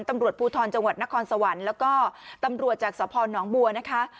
ตำรวจภูทรจังหวัดนครสวรรค์แล้วก็ตำรวจจากสพนบัวนะคะ